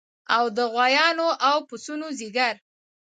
او د غوایانو او پسونو ځیګر